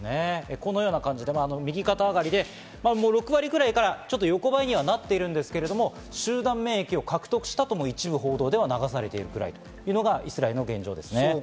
このような感じで右肩上がりで６割ぐらいから、ちょっと横ばいになっているんですけど、集団免疫を獲得したとも一部報道で流されているくらい、これがイスラエルの現状です。